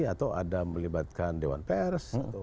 atau ada melibatkan dewan pers